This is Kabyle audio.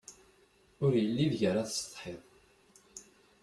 Ur yelli ideg ara tessetḥiḍ.